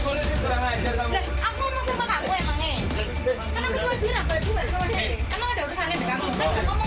aku mau bawa sama kamu emang eh